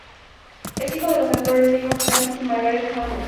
Es hijo de los actores Raymond Francis y Margaret Towner.